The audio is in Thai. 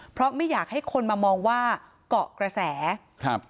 เพราะไม่อยากให้คนมามองว่าเกาะกระแสครับ